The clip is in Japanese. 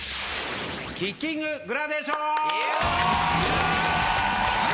キッキンググラデーション！